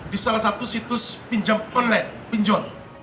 di salah satu situs pinjam perlet pinjol